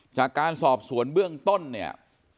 จากการสอบสวนเบื้องต้นเนี่ย